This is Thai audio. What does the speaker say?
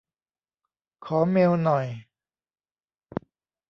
ขอเมลหน่อย